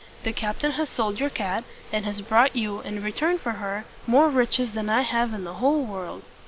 The captain has sold your cat, and has brought you, in return for her, more riches than I have in the whole world."